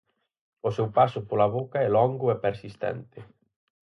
O seu paso pola boca é longo e persistente.